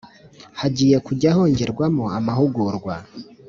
hagiye kujya hongerwamo amahugurwa